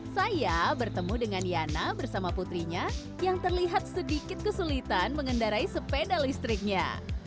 saya bertemu dengan yana bersama putrinya yang terlihat sedikit kesulitan mengendarai sepeda listriknya